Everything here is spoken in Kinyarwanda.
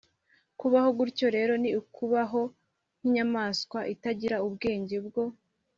Kubaho gutyo rero ni ukubaho nk’inyamaswa itagira ubwenge bwo